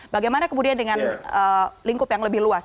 bagaimana kemudian dengan lingkup yang lebih luas